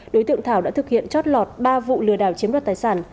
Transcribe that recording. đối tượng thảo đã thực hiện chót lọt ba vụ lừa đảo chiếm đoạt tài sản